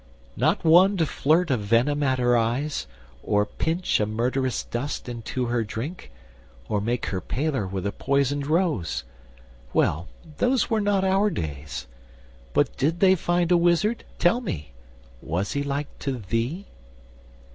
Not one to flirt a venom at her eyes, Or pinch a murderous dust into her drink, Or make her paler with a poisoned rose? Well, those were not our days: but did they find A wizard? Tell me, was he like to thee?